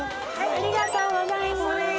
ありがとうございます。